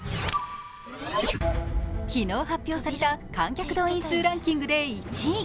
昨日発表された観客動員数ランキングで１位。